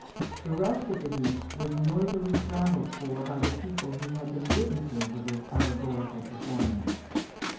The rest of the heap was noisily scrambled for by the people who had been witnesses of this allegorical performance.